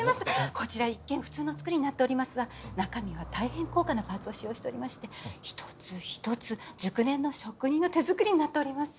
こちら一見普通の作りになっておりますが中身は大変高価なパーツを使用しておりまして一つ一つ熟練の職人の手作りになっております。